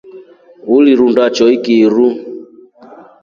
Ulirunda choiki uruu.